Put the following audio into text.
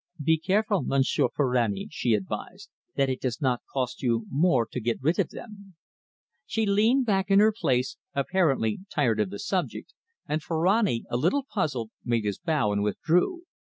"Be careful, Monsieur Ferrani," she advised, "that it does not cost you more to get rid of them." She leaned back in her place, apparently tired of the subject, and Ferrani, a little puzzled, made his bow and withdrew.